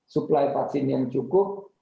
suplai vaksin yang cukup